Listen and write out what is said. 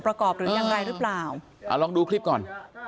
ประกอบหรือยังไรหรือเปล่าอ่าลองดูคลิปก่อน